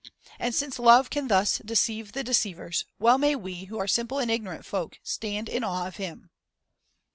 And since love can thus deceive the deceivers, well may we, who are simple and ignorant folk, stand in awe of him.